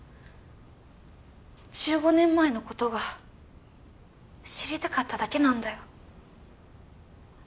１５年前の事が知りたかっただけなんだよ。